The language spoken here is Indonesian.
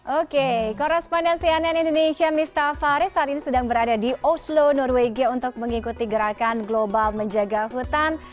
oke korespondensi ann indonesia miftah farid saat ini sedang berada di oslo norwegia untuk mengikuti gerakan global menjaga hutan